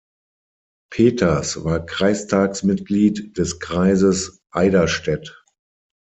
Peters war Kreistagsmitglied des Kreises Eiderstedt.